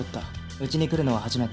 うちに来るのは初めて。